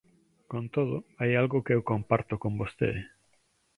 Con todo, hai algo que eu comparto con vostede.